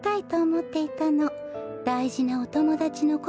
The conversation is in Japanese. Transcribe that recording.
だいじなおともだちのこ